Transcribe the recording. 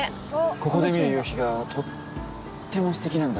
ここで見る夕日がとってもすてきなんだ